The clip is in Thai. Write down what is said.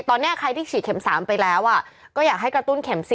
ตอนนี้ใครที่ฉีดเข็ม๓ไปแล้วก็อยากให้กระตุ้นเข็ม๔